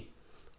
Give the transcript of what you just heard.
cảm ơn ông h